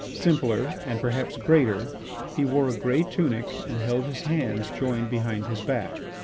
Simpler, and perhaps greater, he wore a grey tunic and held his hands joined behind his back.